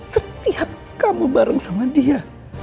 setiap kamu bareng sama dia